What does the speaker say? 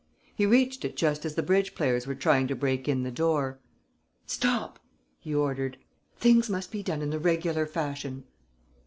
He reached it just as the bridge players were trying to break in the door: "Stop!" he ordered. "Things must be done in the regular fashion."